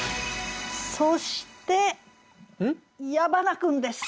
そして矢花君です！